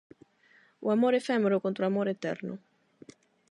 O amor efémero contra o amor eterno.